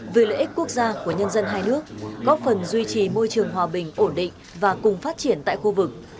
vì lợi ích quốc gia của nhân dân hai nước góp phần duy trì môi trường hòa bình ổn định và cùng phát triển tại khu vực